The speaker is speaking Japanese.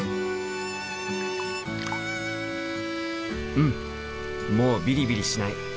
うんもうビリビリしない。